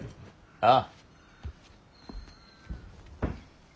ああ。